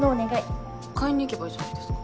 買いに行けばいいじゃないですか。